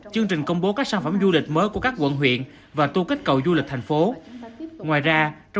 chương trình công bố các sản phẩm du lịch mới của các quận huyện và tu kết cầu du lịch thành phố